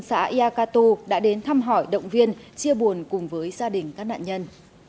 xã yacatu đã đến thăm hỏi động viên chia buồn cùng với gia đình các nạn nhân